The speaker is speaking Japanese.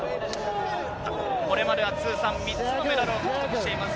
これまでは通算３つのメダルを獲得しています。